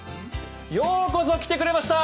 ようこそ来てくれました！